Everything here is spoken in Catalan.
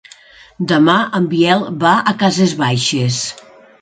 Demà en Biel va a Cases Baixes.